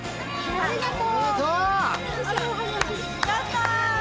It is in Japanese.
ありがとう！